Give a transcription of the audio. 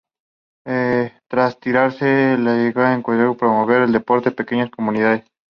Tras retirarse, se dedicó a entrenar cuartetas y promover el deporte en pequeñas comunidades.